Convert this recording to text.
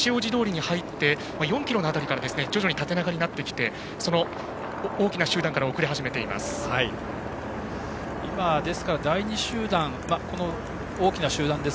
西大路通に入って４ｋｍ辺りから徐々に縦長になってきて大きな集団から遅れ始めています。